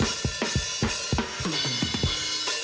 โอเคสุดยอด